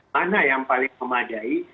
mana yang paling memadai